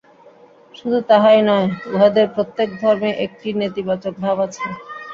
শুধু তাহাই নয়, উহাদের প্রত্যেক ধর্মে একটি নেতিবাচক ভাব আছে।